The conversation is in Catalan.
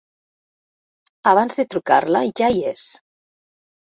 Abans de trucar-la ja hi és.